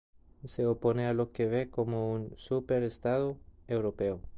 Se opone a lo que ve como un super-Estado europeo.